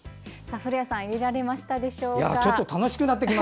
古谷さん入れられましたでしょうか？